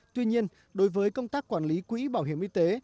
tuy nhiên đối với công tác quản lý quỹ bảo hiểm y tế